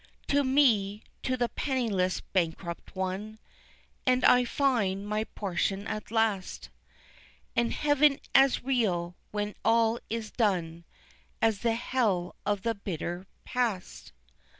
To me to the penniless bankrupt one, And I find my portion at last, And heaven as real, when all is done, As the hell of the bitter past.